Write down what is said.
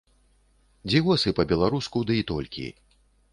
Дзівосы па-беларуску, дый толькі.